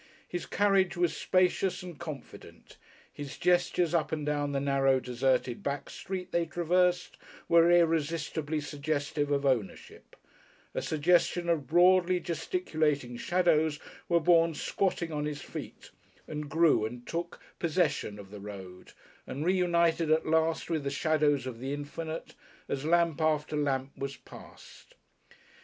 His carriage was spacious and confident, his gestures up and down the narrow deserted back street they traversed, were irresistibly suggestive of ownership; a suggestion of broadly gesticulating shadows were born squatting on his feet and grew and took possession of the road and reunited at last with the shadows of the infinite, as lamp after lamp was passed.